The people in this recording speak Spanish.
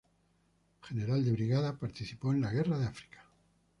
General de Brigada, participó en la guerra de África.